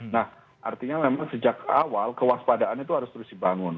nah artinya memang sejak awal kewaspadaan itu harus terus dibangun